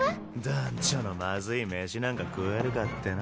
団ちょのまずい飯なんか食えるかっての。